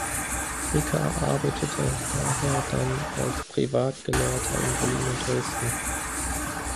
Ricker arbeitete daher dann als Privatgelehrter in Berlin und Dresden.